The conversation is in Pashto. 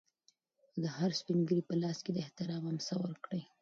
د هر سپین ږیري په لاس کې د احترام امسا ورکړئ.